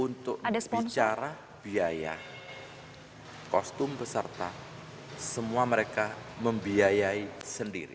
untuk bicara biaya kostum peserta semua mereka membiayai sendiri